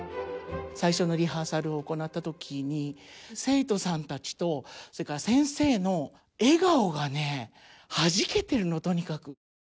最初のリハーサルを行った時に生徒さんたちとそれから先生の笑顔がねはじけてるのとにかく。